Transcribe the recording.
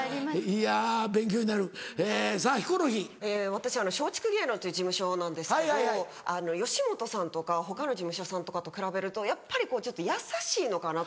私松竹芸能っていう事務所なんですけど吉本さんとか他の事務所さんとかと比べるとやっぱりちょっと優しいのかなと。